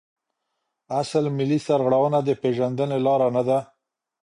اصل ملي سرغړونه د پیژندني لاره نده.